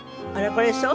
これそう？